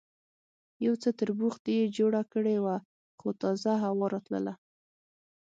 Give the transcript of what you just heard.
یو څه تربوختي یې جوړه کړې وه، خو تازه هوا راتلله.